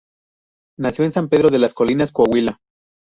Nació en San Pedro de las Colinas, Coahuila.